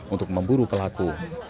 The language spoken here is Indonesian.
untuk memburu pelaku